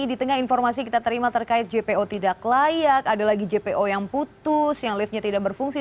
di tengah informasi kita terima terkait jpo tidak layak ada lagi jpo yang putus yang liftnya tidak berfungsi